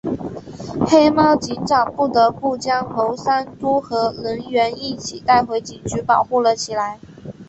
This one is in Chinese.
黑猫警长不得不将牟三嘟和能源一起带回警局保护了起来。